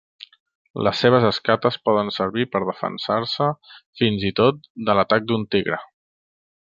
Les seves escates poden servir per defensar-se fins i tot de l'atac d'un tigre.